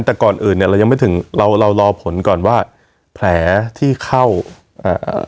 แต่ก่อนอื่นเนี้ยเรายังไม่ถึงเราเรารอผลก่อนว่าแผลที่เข้าอ่า